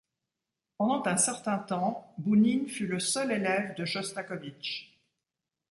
Pendant un certain temps, Bounine fut le seul élève de Chostakovitch.